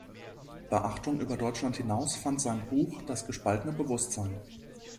Beachtung über Deutschland hinaus fand sein Buch "Das gespaltene Bewußtsein.